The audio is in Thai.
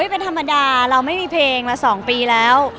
เป็นธรรมดาเราไม่มีเพลงมา๒ปีแล้ว